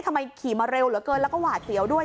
ขี่มาเร็วเหลือเกินแล้วก็หวาดเสียวด้วย